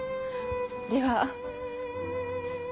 では。